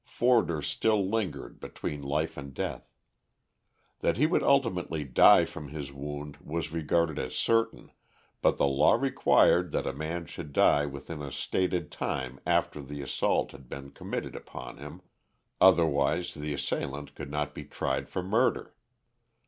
Forder still lingered between life and death. That he would ultimately die from his wound was regarded as certain, but the law required that a man should die within a stated time after the assault had been committed upon him, otherwise the assailant could not be tried for murder.